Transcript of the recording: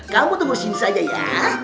kamu tunggu sini saja ya